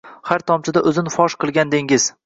Har tomchida o’zin fosh qilgan dengiz